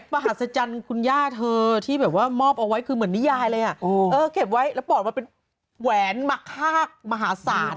มหัศจรรย์คุณย่าเธอที่แบบว่ามอบเอาไว้คือเหมือนนิยายเลยเก็บไว้แล้วปอดมาเป็นแหวนมะคากมหาศาล